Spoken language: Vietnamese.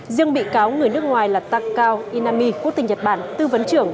riêng bị cáo người nước ngoài là takao inami quốc tịch nhật bản tư vấn trưởng